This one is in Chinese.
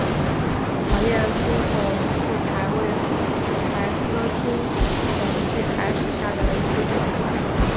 小叶粗筒苣苔为苦苣苔科粗筒苣苔属下的一个种。